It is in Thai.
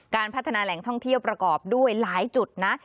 การพัฒนาแหล่งท่องเที่ยวประกอบด้วยหลายจุดนะ